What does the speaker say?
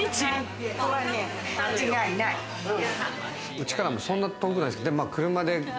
うちからもそんな遠くないです。